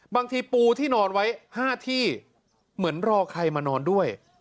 ปูที่นอนไว้๕ที่เหมือนรอใครมานอนด้วย